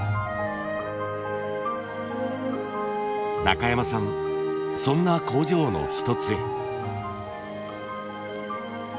中山さんそんな工場の一つへ。